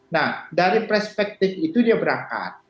nah dari perspektif itu dia berangkat